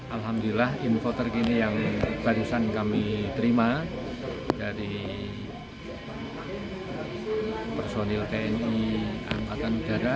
alhamdulillah info terkini yang barusan kami terima dari personil tni angkatan udara